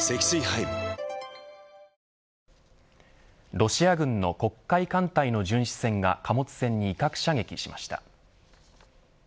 ロシア軍の黒海艦隊の巡視船が貨物船に威嚇射撃しました。